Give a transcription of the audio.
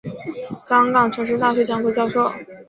香港城市大学讲座教授。